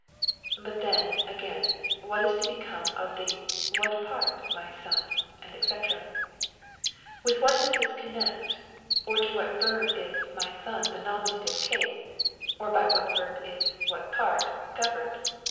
But then, again, what is to become of the "what part, my son?"&c. With what does this connect, or to what verb is " my son " the nominative case, or by what verb is " what part " governed